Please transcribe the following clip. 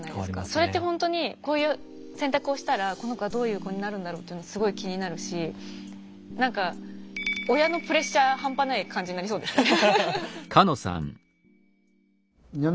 それってほんとにこういう選択をしたらこの子はどういう子になるんだろうっていうのすごい気になるし何か親のプレッシャー半端ない感じになりそうですね。